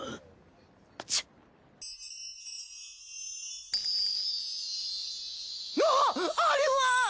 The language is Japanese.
チッあっあれは！